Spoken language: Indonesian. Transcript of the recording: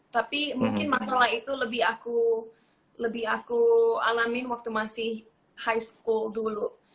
tapi mungkin masalah itu lebih aku alamin waktu masih high school dulu